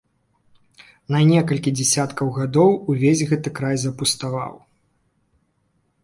На некалькі дзясяткаў гадоў увесь гэты край запуставаў.